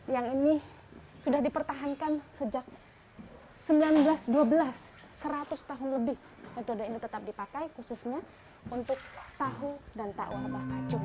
yang ini sudah dipertahankan sejak seribu sembilan ratus dua belas seratus tahun lebih metode ini tetap dipakai khususnya untuk tahu dan takwa rebah kacung